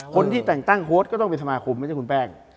คนที่แต่งตั้งโฮดก็ต้องเป็นสมาคมไม่ใช่คุณแป้ง